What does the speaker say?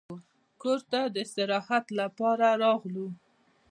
کور ته د استراحت لپاره راغلو.